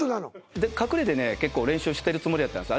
で隠れてね結構練習してるつもりやったんです